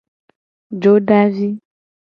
Jodavi.